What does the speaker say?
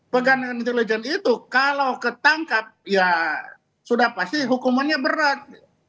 pegangan intelijen itu kalau ketangkap ya sudah pasti hukumannya berat